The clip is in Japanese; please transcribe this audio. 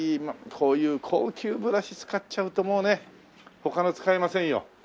こういう高級ブラシ使っちゃうともうね他の使えませんよ。